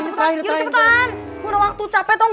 cepetan yuk cepetan gue udah waktu capek dong